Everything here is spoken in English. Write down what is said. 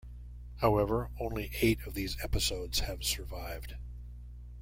However, only eight of these episodes have survived.